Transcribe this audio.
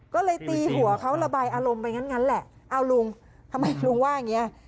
ก็เลยตีหัวเขาระบายอารมณ์ไปงั้นแหละเอาลุงทำไมลุงว่าอย่างนี้